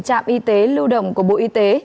trạm y tế lưu động của bộ y tế